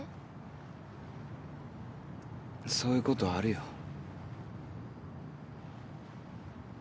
そういうことあるよ。